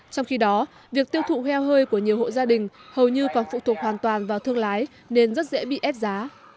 trong khi đó việc tiêu thụ heo hơi của nhiều hộ gia đình hầu như còn phụ thuộc hoàn toàn vào thương lái nên rất dễ bị ép giá